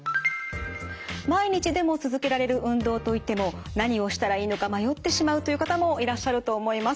毎日でも続けられる運動と言っても何をしたらいいのか迷ってしまうという方もいらっしゃると思います。